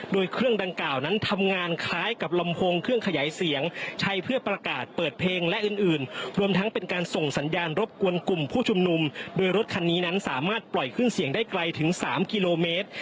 โดยรถคันนี้นั้นสามารถปล่อยขึ้นเสียงได้ไกลถึง๓กิโลเมตร